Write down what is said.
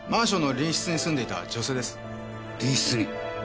隣室に。